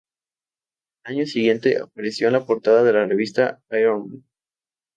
Al año siguiente, apareció en la portada de la revista "Iron Man".